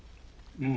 うん。